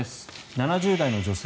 ７０代の女性。